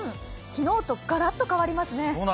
昨日とガラッと変わりますね。